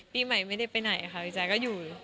ปีใหม่ไม่ได้ไปไหนค่ะพี่แจ๊ก็อยู่